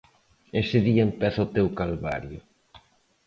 Ese día empeza o teu calvario.